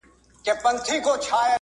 له هالنډ څخه